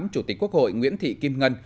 chủ tịch quốc hội nguyễn thị kim ngân